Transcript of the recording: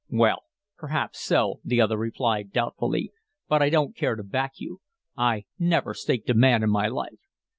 "Well, perhaps so," the other replied, doubtfully, "but I don't care to back you. I never 'staked' a man in my life."